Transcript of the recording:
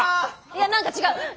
いや何か違う。